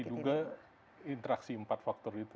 diduga interaksi empat faktor itu